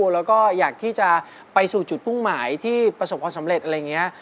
แล้วก็อยากที่จะไปสู่จุดมุ่งหมายที่ประสบความสำเร็จอะไรอย่างนี้